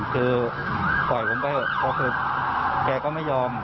คือปล่อยผมไปเขาก็ไม่ยอม